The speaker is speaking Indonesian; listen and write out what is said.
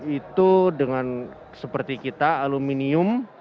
itu dengan seperti kita aluminium